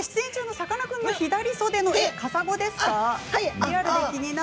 さかなクンの左袖の絵はカサゴですか？